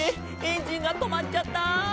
エンジンがとまっちゃった！」